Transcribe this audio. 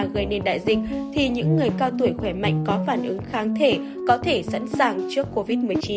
gây nên đại dịch thì những người cao tuổi khỏe mạnh có phản ứng kháng thể có thể sẵn sàng trước covid một mươi chín